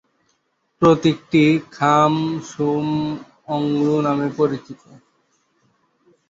প্রতীকটি "খাম-সুম-অংডু" নামে পরিচিত"।"